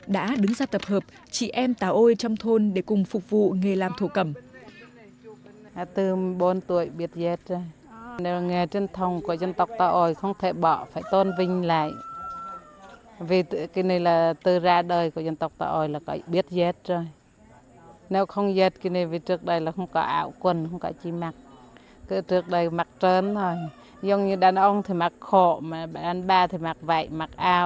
đã đứng ra tập hợp chị em tà ôi trong thôn để cùng phục vụ nghề làm thổ cầm